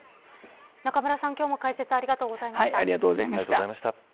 中村さん、今日も解説ありがとうございました。